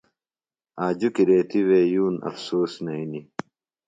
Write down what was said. آ جُکیۡ ریتیۡ وے یُون افسوس نئینیۡ۔